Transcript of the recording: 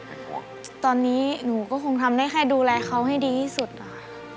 เป็นห่วงตอนนี้หนูก็คงทำได้ให้ดูแลเขาให้ดีที่สุดอ่ะ